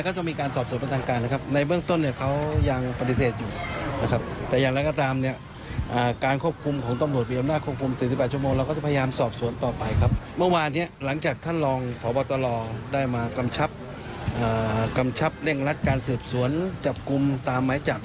ฟังเสียงผู้การจังหวัดนครปฐมหน่อยค่ะ